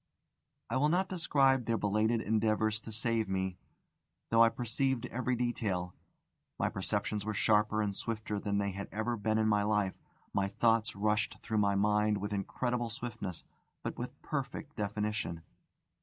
I will not describe their belated endeavours to save me, though I perceived every detail. My perceptions were sharper and swifter than they had ever been in life; my thoughts rushed through my mind with incredible swiftness, but with perfect definition.